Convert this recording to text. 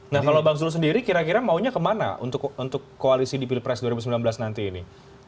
nah kalau bang zul sendiri kira kira maunya kemana untuk koalisi di pilpres dua ribu sembilan belas nanti ini